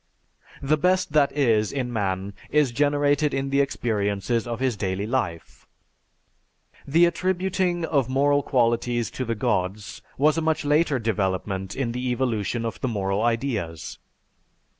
"_) The best that is in man is generated in the experiences of his daily life. The attributing of moral qualities to the gods was a much later development in the evolution of the moral ideas.